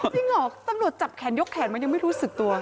จริงเหรอตำรวจจับแขนยกแขนมันยังไม่รู้สึกตัว